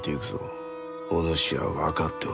お主は分かっておろう？